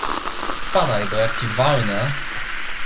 Spadaj, bo jak ci walnę...